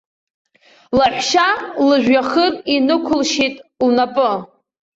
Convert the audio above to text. Лаҳәшьа лыжәҩахыр инықәылшьит лнапы.